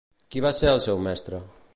Qui va ser el seu mestre?